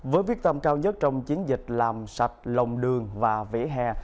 với quyết tâm cao nhất trong chiến dịch làm sạch lồng đường và vỉa hè